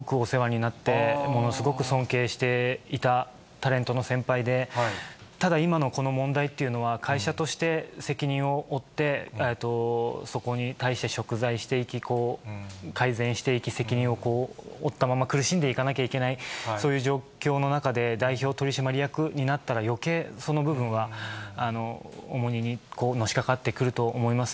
僕がジャニーズ事務所で活動していた期間、ものすごくお世話になって、ものすごく尊敬していたタレントの先輩で、ただ今のこの問題というのは、会社として責任を負って、そこに対ししょく罪していき、改善していき、責任を負ったまま苦しんでいかなきゃいけない、そういう状況の中で、代表取締役になったらよけいその部分は重荷にのしかかってくると思います。